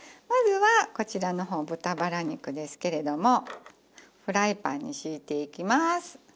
まずはこちらの方豚バラ肉ですけれどもフライパンに敷いていきます。